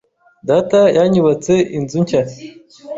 Data yanyubatse inzu nshya.